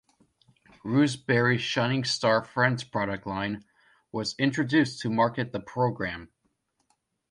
Russ Berrie's Shining Star Friends product line was introduced to market the program.